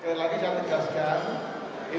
ini akan dikasihkan